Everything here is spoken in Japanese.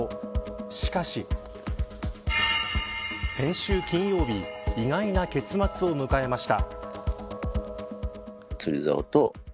しかし先週金曜日意外な結末を迎えました。